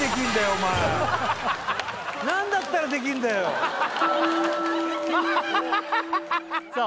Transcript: お前何だったらできるんだよさあ